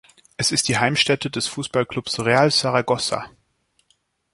Es ist die Heimstätte des Fußballclubs Real Saragossa.